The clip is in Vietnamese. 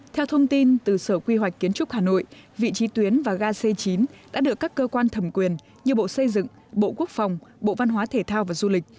theo thông tin từ sở quy hoạch kiến trúc hà nội vị trí tuyến và ga c chín đã được các cơ quan thẩm quyền như bộ xây dựng bộ quốc phòng bộ văn hóa thể thao và du lịch